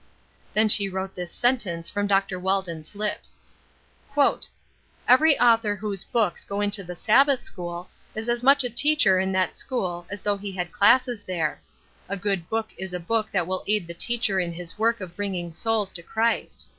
Then she wrote this sentence from Dr. Walden's lips: "Every author whose books go into the Sabbath school is as much a teacher in that school as though he had classes there. A good book is a book that will aid the teacher in his work of bringing souls to Christ.